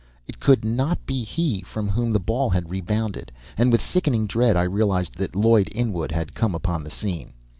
It could not be he from whom the ball had rebounded, and with sickening dread I realized that Lloyd Inwood had come upon the scene.